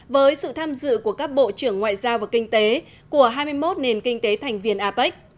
với sự tham dự của các bộ trưởng ngoại giao và kinh tế của hai mươi một nền kinh tế thành viên apec